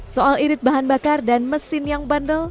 soal irit bahan bakar dan mesin yang bandel